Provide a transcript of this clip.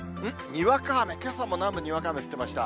にわか雨、けさも南部、にわか雨降ってました。